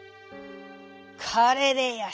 「これでよし。